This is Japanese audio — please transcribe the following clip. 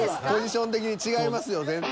ポジション的に違いますよね。